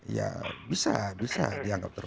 ya bisa bisa dianggap terus